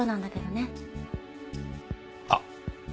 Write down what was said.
あっ。